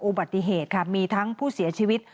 อุบัติเหตุค่ะมีทั้งผู้เสียชีวิต